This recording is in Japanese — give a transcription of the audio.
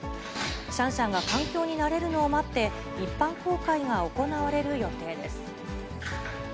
シャンシャンが環境に慣れるのを待って、一般公開が行われる予定です。